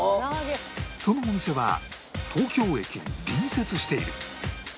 そのお店は東京駅に隣接している